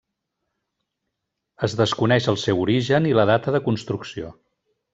Es desconeix el seu origen i la data de construcció.